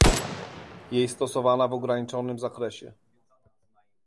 Jej stosowana w ograniczonym zakresie